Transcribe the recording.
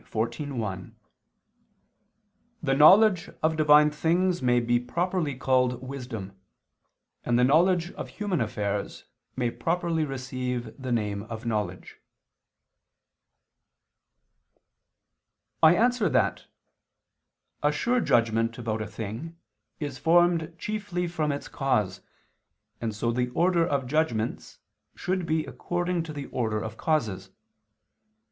xiv, 1): "The knowledge of Divine things may be properly called wisdom, and the knowledge of human affairs may properly receive the name of knowledge." I answer that, A sure judgment about a thing is formed chiefly from its cause, and so the order of judgments should be according to the order of causes.